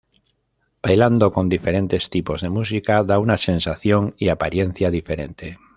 Bailando con diferentes tipos de música da una sensación y apariencia diferente.